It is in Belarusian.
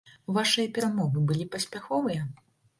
Вашыя перамовы былі паспяховыя?